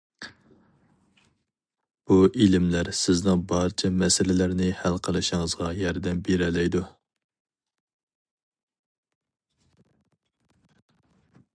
بۇ ئىلىملەر سىزنىڭ بارچە مەسىلىلەرنى ھەل قىلىشىڭىزغا ياردەم بېرەلەيدۇ.